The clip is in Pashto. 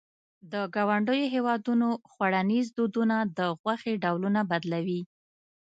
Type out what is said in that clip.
د ګاونډیو هېوادونو خوړنيز دودونه د غوښې ډولونه بدلوي.